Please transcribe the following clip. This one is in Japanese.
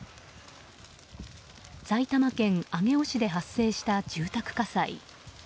埼玉県上尾市で発生した住宅火災。